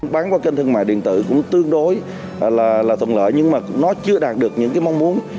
bán qua kênh thương mại điện tử cũng tương đối là thuận lợi nhưng mà nó chưa đạt được những cái mong muốn